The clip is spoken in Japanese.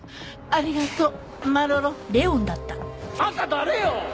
あんた誰よ！？